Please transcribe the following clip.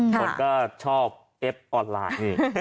คนก็ชอบเอฟออนไลน์นี่